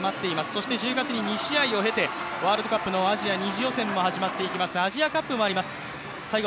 そして１０月に２試合を経てワールドカップのアジア２次予選も始まります、アジアカップもあります。